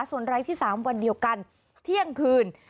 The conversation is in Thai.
ส่วนรายที่๓วันเดียวกันเที่ยงคืน